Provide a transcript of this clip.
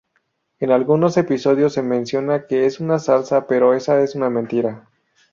En algunos episodios se menciona que es una salsa pero eso es una mentira.